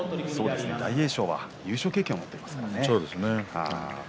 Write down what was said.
大栄翔は優勝経験も持っていますからね。